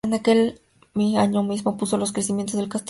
Aquel año mismo puso los cimientos del Castillo de Sligo.